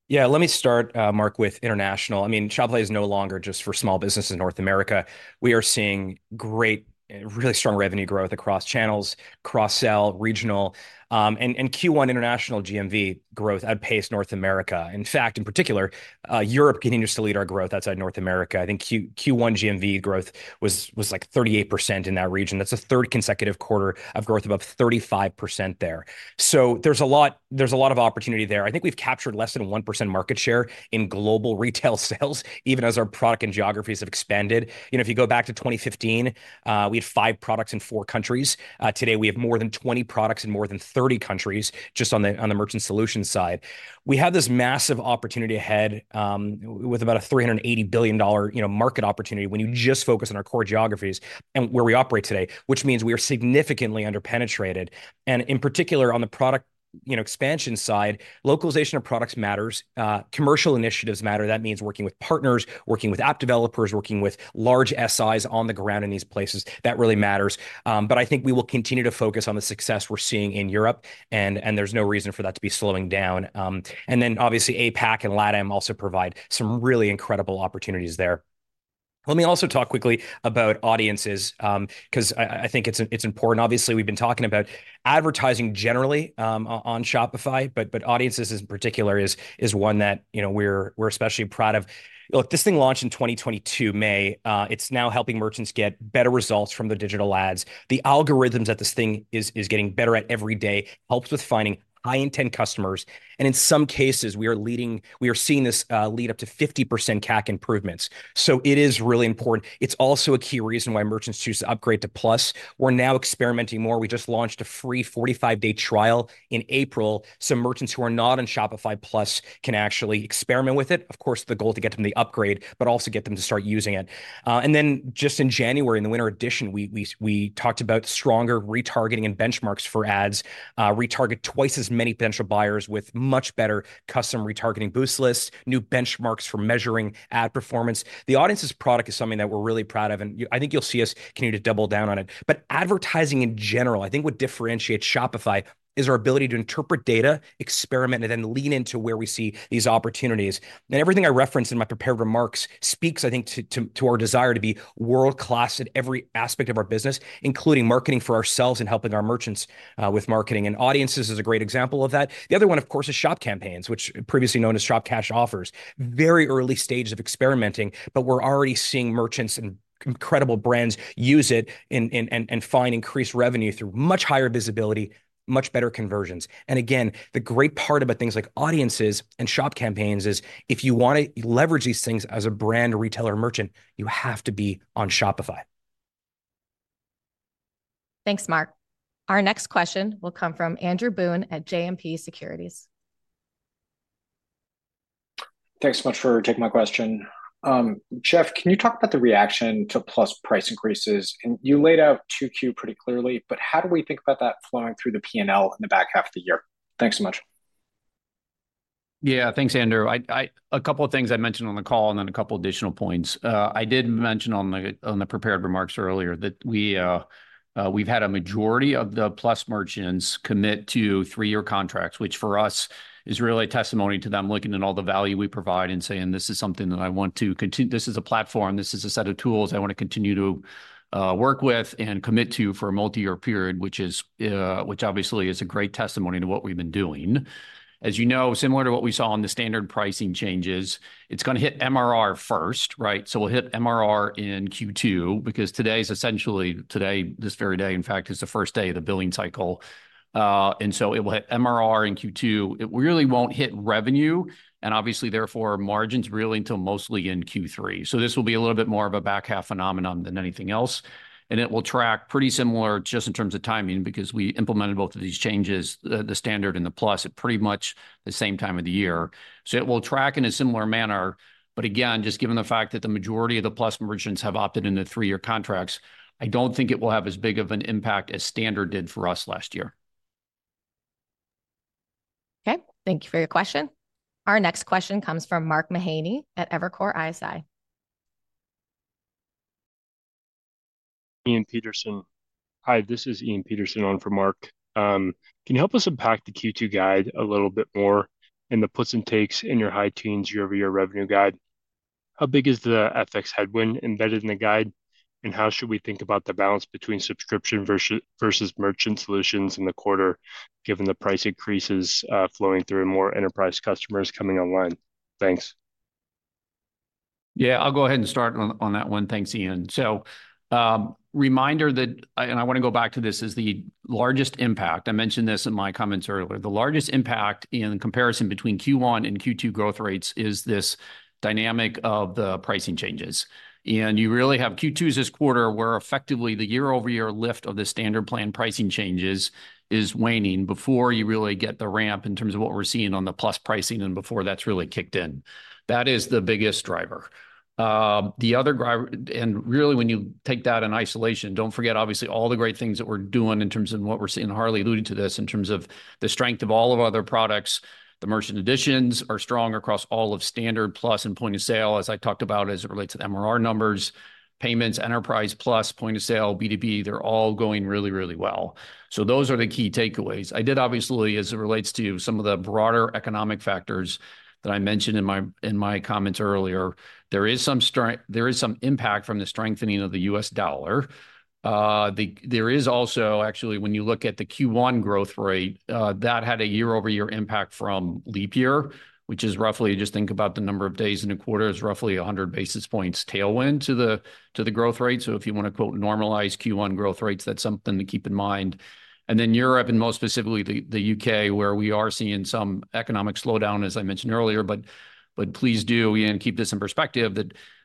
Yeah, let me start, Mark, with international. I mean, Shopify is no longer just for small businesses in North America. We are seeing great, really strong revenue growth across channels, cross-sell, regional, and Q1 international GMV growth outpaced North America. In fact, in particular, Europe continues to lead our growth outside North America. I think Q1 GMV growth was like 38% in that region. That's a third consecutive quarter of growth above 35% there. So there's a lot of opportunity there. I think we've captured less than 1% market share in global retail sales, even as our product and geographies have expanded. If you go back to 2015, we had five products in four countries. Today, we have more than 20 products in more than 30 countries just on the merchant solutions side. We have this massive opportunity ahead with about a $380 billion market opportunity when you just focus on our core geographies and where we operate today, which means we are significantly underpenetrated. And in particular, on the product expansion side, localization of products matters. Commercial initiatives matter. That means working with partners, working with app developers, working with large SIs on the ground in these places. That really matters. But I think we will continue to focus on the success we're seeing in Europe, and there's no reason for that to be slowing down. And then obviously, APAC and LATAM also provide some really incredible opportunities there. Let me also talk quickly about audiences because I think it's important. Obviously, we've been talking about advertising generally on Shopify, but audiences in particular is one that we're especially proud of. Look, this thing launched in May 2022. It's now helping merchants get better results from the digital ads. The algorithms that this thing is getting better at every day help with finding high-intent customers. In some cases, we are seeing this lead up to 50% CAC improvements. It is really important. It's also a key reason why merchants choose to upgrade to Plus. We're now experimenting more. We just launched a free 45-day trial in April. Merchants who are not on Shopify Plus can actually experiment with it. Of course, the goal is to get them the upgrade, but also get them to start using it. Then just in January, in the Winter Editions, we talked about stronger retargeting and benchmarks for ads. Retarget twice as many potential buyers with much better custom retargeting boost lists, new benchmarks for measuring ad performance. The Audiences product is something that we're really proud of, and I think you'll see us continue to double down on it. But advertising in general, I think what differentiates Shopify is our ability to interpret data, experiment, and then lean into where we see these opportunities. And everything I referenced in my prepared remarks speaks, I think, to our desire to be world-class at every aspect of our business, including marketing for ourselves and helping our merchants with marketing. And Audiences is a great example of that. The other one, of course, is Shop Campaigns, which are previously known as Shop Cash offers. Very early stages of experimenting, but we're already seeing merchants and incredible brands use it and find increased revenue through much higher visibility, much better conversions. And again, the great part about things like Audiences and Shop Campaigns is if you want to leverage these things as a brand, retailer, or merchant, you have to be on Shopify. Thanks, Mark. Our next question will come from Andrew Boone at JMP Securities. Thanks so much for taking my question. Jeff, can you talk about the reaction to Plus price increases? You laid out 2Q pretty clearly, but how do we think about that flowing through the P&L in the back half of the year? Thanks so much. Yeah, thanks, Andrew. A couple of things I mentioned on the call and then a couple of additional points. I did mention on the prepared remarks earlier that we've had a majority of the Plus merchants commit to three-year contracts, which for us is really a testimony to them looking at all the value we provide and saying, "This is something that I want to continue. This is a platform. This is a set of tools I want to continue to work with and commit to for a multi-year period," which obviously is a great testimony to what we've been doing. As you know, similar to what we saw on the standard pricing changes, it's going to hit MRR first, right? So we'll hit MRR in Q2 because today is essentially today, this very day, in fact, is the first day of the billing cycle. So it will hit MRR in Q2. It really won't hit revenue. Obviously, therefore, margins really until mostly in Q3. This will be a little bit more of a back half phenomenon than anything else. It will track pretty similar just in terms of timing because we implemented both of these changes, the standard and the Plus, at pretty much the same time of the year. It will track in a similar manner. But again, just given the fact that the majority of the Plus merchants have opted into three-year contracts, I don't think it will have as big of an impact as standard did for us last year. Okay, thank you for your question. Our next question comes from Mark Mahaney at Evercore ISI. Hi, this is Ian Peterson on for Mark. Can you help us unpack the Q2 guide a little bit more and the puts and takes in your high teens year-over-year revenue guide? How big is the FX headwind embedded in the guide, and how should we think about the balance between subscription versus merchant solutions in the quarter given the price increases flowing through and more enterprise customers coming online? Thanks. Yeah, I'll go ahead and start on that one. Thanks, Ian. So, reminder that, and I want to go back to this, is the largest impact. I mentioned this in my comments earlier. The largest impact in comparison between Q1 and Q2 growth rates is this dynamic of the pricing changes. And you really have Q2s this quarter where effectively the year-over-year lift of the standard plan pricing changes is waning before you really get the ramp in terms of what we're seeing on the Plus pricing and before that's really kicked in. That is the biggest driver. And really, when you take that in isolation, don't forget, obviously, all the great things that we're doing in terms of what we're seeing. Harley alluded to this in terms of the strength of all of our other products. The merchant additions are strong across all of standard Plus and Point of Sale, as I talked about as it relates to MRR numbers, payments, enterprise Plus, Point of Sale, B2B, they're all going really, really well. So those are the key takeaways. I did, obviously, as it relates to some of the broader economic factors that I mentioned in my comments earlier, there is some impact from the strengthening of the US dollar. There is also, actually, when you look at the Q1 growth rate, that had a year-over-year impact from leap year, which is roughly, just think about the number of days in a quarter, is roughly 100 basis points tailwind to the growth rate. So if you want to quote "normalize" Q1 growth rates, that's something to keep in mind. Then Europe, and most specifically the U.K., where we are seeing some economic slowdown, as I mentioned earlier. But please do, Ian, keep this in perspective.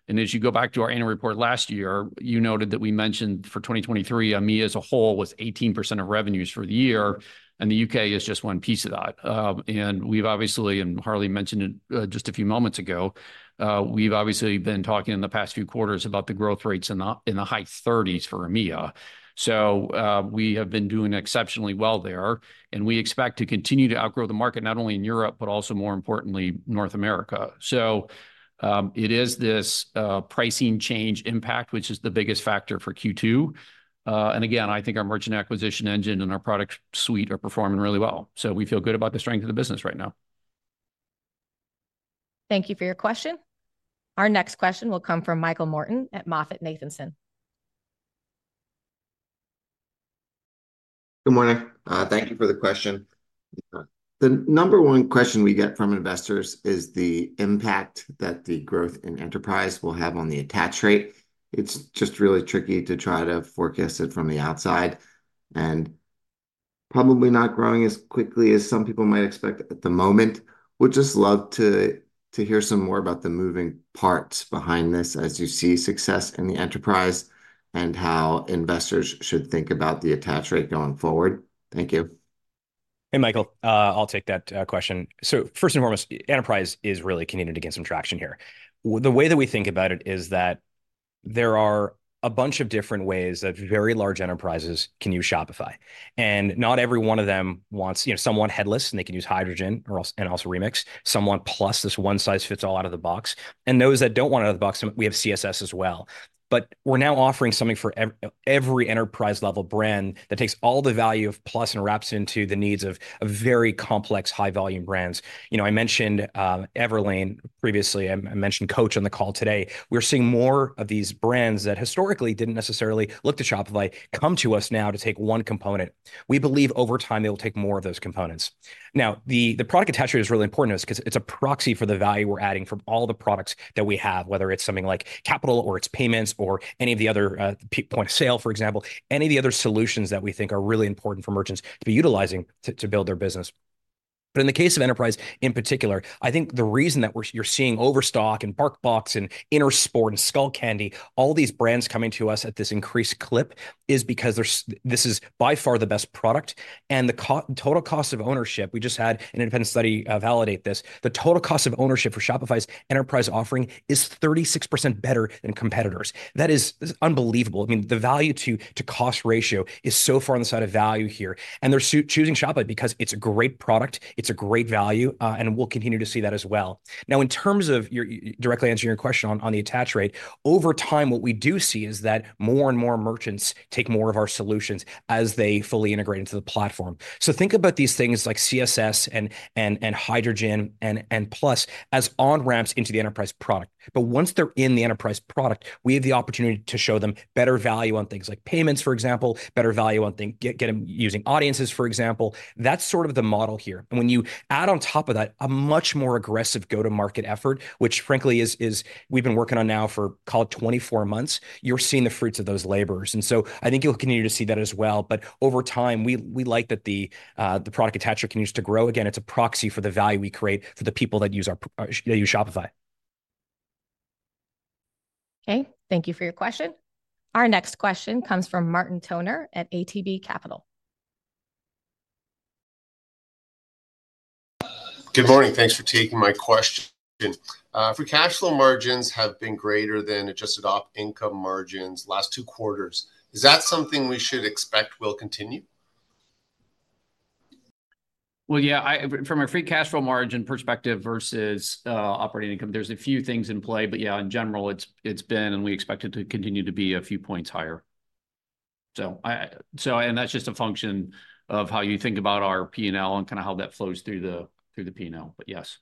As you go back to our annual report last year, you noted that we mentioned for 2023, EMEA as a whole was 18% of revenues for the year, and the U.K. is just one piece of that. We've obviously, and Harley mentioned it just a few moments ago, we've obviously been talking in the past few quarters about the growth rates in the high 30s for EMEA. So we have been doing exceptionally well there, and we expect to continue to outgrow the market, not only in Europe, but also, more importantly, North America. So it is this pricing change impact, which is the biggest factor for Q2. Again, I think our merchant acquisition engine and our product suite are performing really well. We feel good about the strength of the business right now. Thank you for your question. Our next question will come from Michael Morton at MoffettNathanson. Good morning. Thank you for the question. The number one question we get from investors is the impact that the growth in enterprise will have on the attach rate. It's just really tricky to try to forecast it from the outside. Probably not growing as quickly as some people might expect at the moment. We'd just love to hear some more about the moving parts behind this as you see success in the enterprise and how investors should think about the attach rate going forward. Thank you. Hey, Michael. I'll take that question. So first and foremost, enterprise is really continuing to gain some traction here. The way that we think about it is that there are a bunch of different ways that very large enterprises can use Shopify. And not every one of them wants someone headless, and they can use Hydrogen and also Remix. Someone Plus this one-size-fits-all out of the box. And those that don't want it out of the box, we have CCS as well. But we're now offering something for every enterprise-level brand that takes all the value of Plus and wraps into the needs of very complex, high-volume brands. I mentioned Everlane previously. I mentioned Coach on the call today. We're seeing more of these brands that historically didn't necessarily look to Shopify come to us now to take one component. We believe over time, they will take more of those components. Now, the product attach rate is really important to us because it's a proxy for the value we're adding from all the products that we have, whether it's something like capital or it's payments or any of the other Point of Sale, for example, any of the other solutions that we think are really important for merchants to be utilizing to build their business. But in the case of enterprise in particular, I think the reason that you're seeing Overstock and BarkBox and Intersport and Skullcandy, all these brands coming to us at this increased clip is because this is by far the best product. And the total cost of ownership, we just had an independent study validate this, the total cost of ownership for Shopify's enterprise offering is 36% better than competitors. That is unbelievable. I mean, the value-to-cost ratio is so far on the side of value here. And they're choosing Shopify because it's a great product. It's a great value. And we'll continue to see that as well. Now, in terms of directly answering your question on the attach rate, over time, what we do see is that more and more merchants take more of our solutions as they fully integrate into the platform. So think about these things like CCS and Hydrogen and Plus as on-ramps into the enterprise product. But once they're in the enterprise product, we have the opportunity to show them better value on things like payments, for example, better value on using audiences, for example. That's sort of the model here. And when you add on top of that a much more aggressive go-to-market effort, which frankly is we've been working on now for, call it, 24 months, you're seeing the fruits of those labors. And so I think you'll continue to see that as well. But over time, we like that the product attach rate continues to grow. Again, it's a proxy for the value we create for the people that use Shopify. Okay, thank you for your question. Our next question comes from Martin Toner at ATB Capital. Good morning. Thanks for taking my question. If your cash flow margins have been greater than adjusted op income margins last two quarters, is that something we should expect will continue? Well, yeah, from a free cash flow margin perspective versus operating income, there's a few things in play. But yeah, in general, it's been and we expect it to continue to be a few points higher. And that's just a function of how you think about our P&L and kind of how that flows through the P&L. But yes.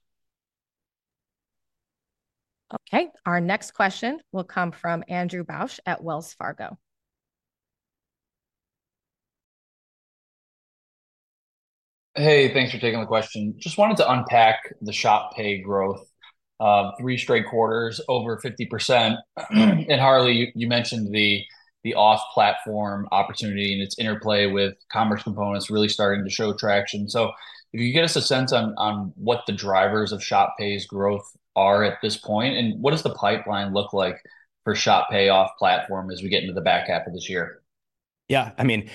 Okay, our next question will come from Andrew Bauch at Wells Fargo. Hey, thanks for taking the question. Just wanted to unpack the Shop Pay growth. Three straight quarters, over 50%. Harley, you mentioned the auth platform opportunity and its interplay with Commerce Components really starting to show traction. If you could get us a sense on what the drivers of Shop Pay's growth are at this point, and what does the pipeline look like for Shop Pay auth platform as we get into the back half of this year? Yeah, I mean,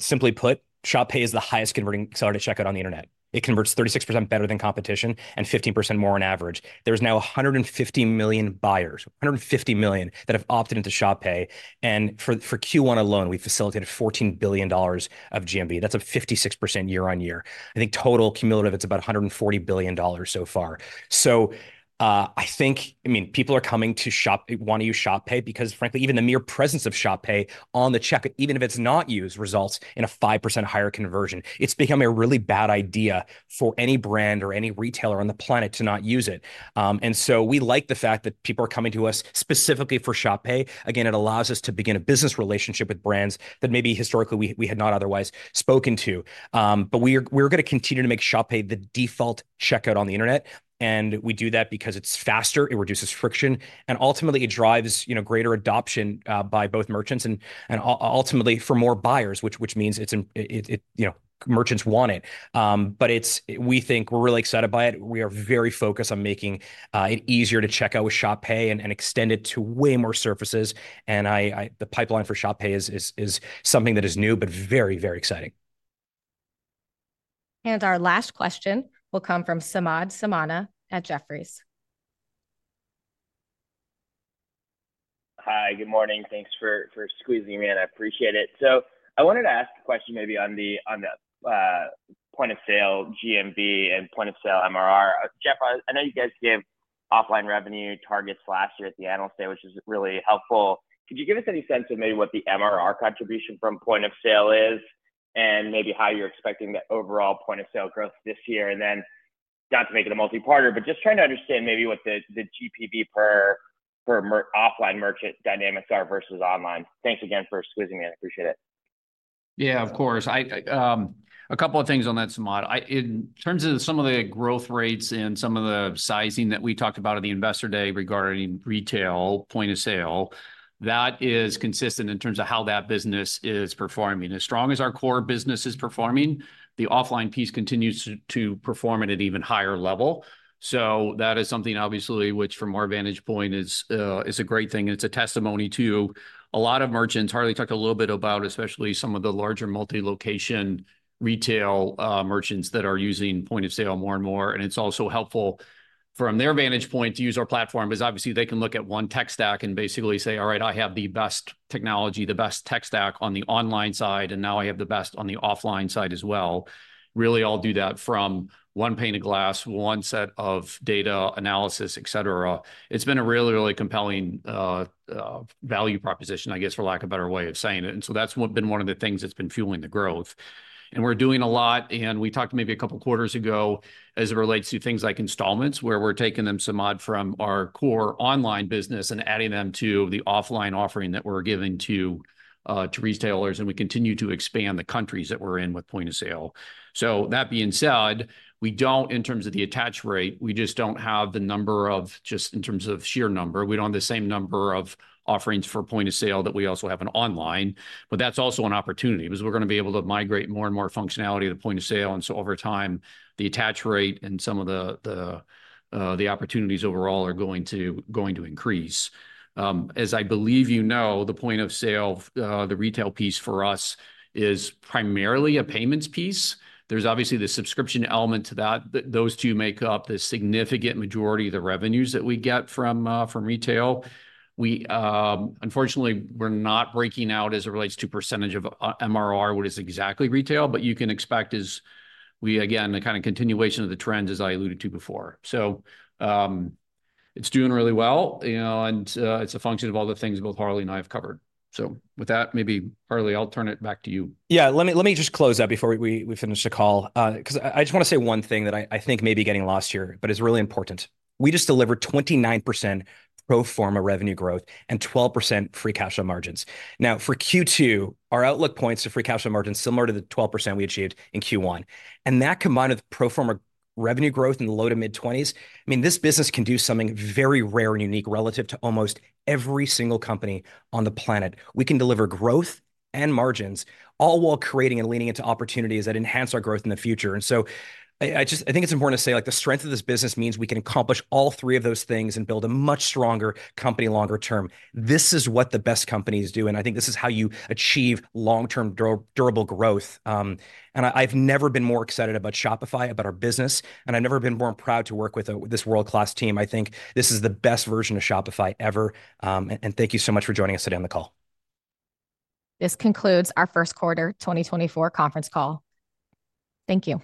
simply put, Shop Pay is the highest converting seller to checkout on the internet. It converts 36% better than competition and 15% more on average. There's now 150 million buyers, 150 million that have opted into Shop Pay. And for Q1 alone, we facilitated $14 billion of GMV. That's a 56% year-on-year. I think total cumulative, it's about $140 billion so far. So I think, I mean, people are coming to want to use Shop Pay because, frankly, even the mere presence of Shop Pay on the checkout, even if it's not used, results in a 5% higher conversion. It's become a really bad idea for any brand or any retailer on the planet to not use it. And so we like the fact that people are coming to us specifically for Shop Pay. Again, it allows us to begin a business relationship with brands that maybe historically we had not otherwise spoken to. But we're going to continue to make Shop Pay the default checkout on the internet. And we do that because it's faster. It reduces friction. And ultimately, it drives greater adoption by both merchants and ultimately for more buyers, which means merchants want it. But we think we're really excited by it. We are very focused on making it easier to checkout with Shop Pay and extend it to way more surfaces. And the pipeline for Shop Pay is something that is new but very, very exciting. Our last question will come from Samad Samana at Jefferies. Hi, good morning. Thanks for squeezing me, man. I appreciate it. So I wanted to ask a question maybe on the Point of Sale, GMV, and Point of Sale MRR. Jeff, I know you guys gave offline revenue targets last year at the Analyst Day, which is really helpful. Could you give us any sense of maybe what the MRR contribution from Point of Sale is and maybe how you're expecting the overall Point of Sale growth this year? And then not to make it a multi-parter, but just trying to understand maybe what the GPV per offline merchant dynamics are versus online. Thanks again for squeezing me. I appreciate it. Yeah, of course. A couple of things on that, Samad. In terms of some of the growth rates and some of the sizing that we talked about at the Investor Day regarding retail Point of Sale, that is consistent in terms of how that business is performing. As strong as our core business is performing, the offline piece continues to perform at an even higher level. So that is something, obviously, which from our vantage point is a great thing. It's a testimony to a lot of merchants. Harley talked a little bit about especially some of the larger multi-location retail merchants that are using Point of Sale more and more. It's also helpful from their vantage point to use our platform because, obviously, they can look at one tech stack and basically say, "All right, I have the best technology, the best tech stack on the online side, and now I have the best on the offline side as well." Really, I'll do that from one pane of glass, one set of data analysis, etc. It's been a really, really compelling value proposition, I guess, for lack of a better way of saying it. So that's been one of the things that's been fueling the growth. And we're doing a lot. And we talked maybe a couple of quarters ago as it relates to things like installments where we're taking them, Samad, from our core online business and adding them to the offline offering that we're giving to retailers. We continue to expand the countries that we're in with Point of Sale. So that being said, we don't, in terms of the Attach Rate, we just don't have the number of just in terms of sheer number, we don't have the same number of offerings for Point of Sale that we also have online. But that's also an opportunity because we're going to be able to migrate more and more functionality to the Point of Sale. And so over time, the Attach Rate and some of the opportunities overall are going to increase. As I believe you know, the Point of Sale, the retail piece for us is primarily a payments piece. There's obviously the subscription element to that. Those two make up the significant majority of the revenues that we get from retail. Unfortunately, we're not breaking out as it relates to percentage of MRR, what is exactly retail. But you can expect as we, again, a kind of continuation of the trends, as I alluded to before. So it's doing really well. And it's a function of all the things both Harley and I have covered. So with that, maybe, Harley, I'll turn it back to you. Yeah, let me just close out before we finish the call because I just want to say one thing that I think may be getting lost here but is really important. We just delivered 29% pro forma revenue growth and 12% free cash flow margins. Now, for Q2, our outlook points to free cash flow margins similar to the 12% we achieved in Q1. And that combined with pro forma revenue growth in the low to mid-20s, I mean, this business can do something very rare and unique relative to almost every single company on the planet. We can deliver growth and margins all while creating and leaning into opportunities that enhance our growth in the future. And so I think it's important to say the strength of this business means we can accomplish all three of those things and build a much stronger company longer term. This is what the best companies do. I think this is how you achieve long-term durable growth. I've never been more excited about Shopify, about our business. I've never been more proud to work with this world-class team. I think this is the best version of Shopify ever. Thank you so much for joining us today on the call. This concludes our first quarter 2024 conference call. Thank you.